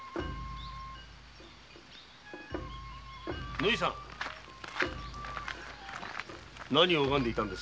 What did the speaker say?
縫さん何を拝んでいたんです。